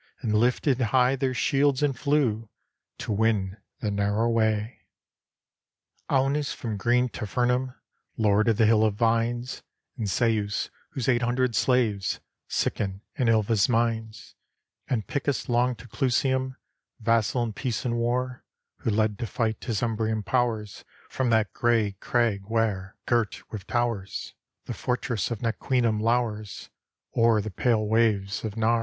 And lifted high their shields, and flew To win the narrow way; Aunus from green Tifernum, Lord of the Hill of Vines; And Seius, whose eight hundred slaves Sicken in Ilva's mines; And Picus, long to Clusium Vassal in peace and war, Who led to fight his Umbrian powers From that gray crag where, girt with towers. The fortress of Nequinum lowers O'er the pale waves of Nar.